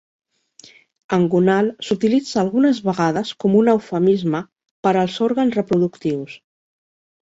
Engonal s"utilitza algunes vegades com un eufemisme per als òrgans reproductius.